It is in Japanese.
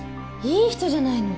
いい人じゃないの。